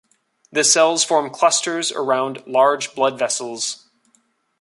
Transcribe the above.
The cells form clusters around large blood vessels.